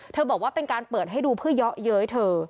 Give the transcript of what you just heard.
บอกว่าเป็นการเปิดให้ดูเพื่อเยาะเย้ยเธอ